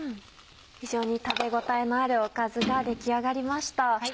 非常に食べ応えのあるおかずが出来上がりました。